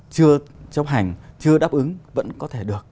chưa chấp hành chưa đáp ứng vẫn có thể được